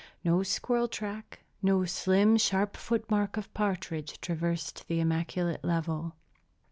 No squirrel track, no slim, sharp foot mark of partridge, traversed the immaculate level.